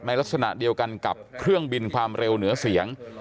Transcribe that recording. ลักษณะเดียวกันกับเครื่องบินความเร็วเหนือเสียง